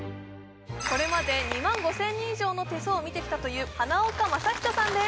これまで２万５０００人以上の手相を見てきたという花岡正人さんです